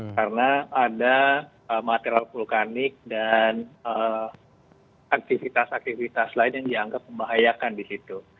karena ada material vulkanik dan aktivitas aktivitas lain yang dianggap membahayakan di situ